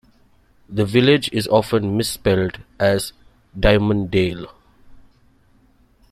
The village is often misspelled as Diamondale.